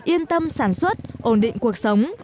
yên tâm sản xuất ổn định cuộc sống